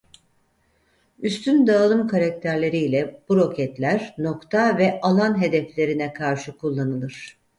Üstün dağılım karakterleriyle bu roketler nokta ve alan hedeflerine karşı kullanılır.